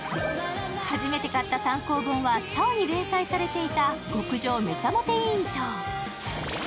初めて買った単行本は、「ちゃお」に連載されていた「極上！！めちゃモテ委員長」。